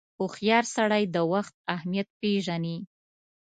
• هوښیار سړی د وخت اهمیت پیژني.